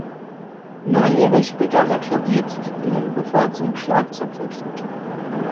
Neunjährig begann er Klavier zu spielen, bevor er zum Schlagzeug wechselte.